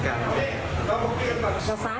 เรื่องของมัน